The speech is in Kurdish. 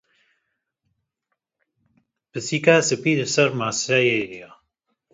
Pisîka spî li ser maseyê ye.